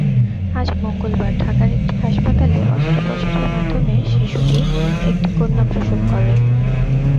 আজ মঙ্গলবার ঢাকার একটি হাসপাতালে অস্ত্রোপচারের মাধ্যমে শিশুটি একটি সন্তান প্রসব করে।